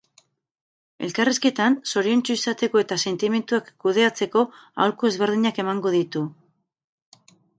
Elkarrizketan, zoriontsu izateko eta sentimenduak kudeatzeko aholku ezberdinak emango ditu.